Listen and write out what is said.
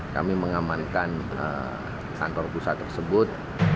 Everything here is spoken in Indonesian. kami mengamankan kantor pusat tersebut